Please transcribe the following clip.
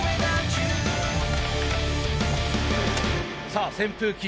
さあ扇風機